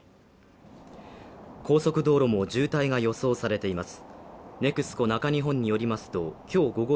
高速道路も渋滞が予想されています。